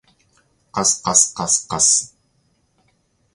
かすかすかすかす